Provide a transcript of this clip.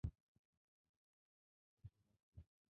এটা কাজ করে কীভাবে?